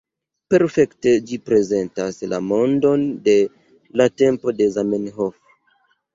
Perfekte ĝi prezentas la mondon de la tempo de Zamenhof.